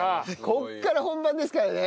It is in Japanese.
ここから本番ですからね。